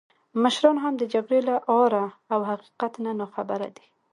مشران هم د جګړې له آره او حقیقت نه ناخبره دي.